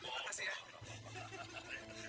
terima kasih ya